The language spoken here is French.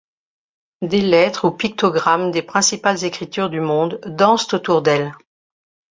Des lettres ou pictogrammes des principales écritures du monde dansent autour d'elles.